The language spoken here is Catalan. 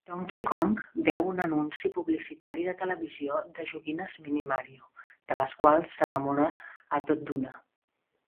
Donkey Kong veu un anunci publicitari de televisió de joguines Mini-Mario, de les quals s'enamora a tot d'una.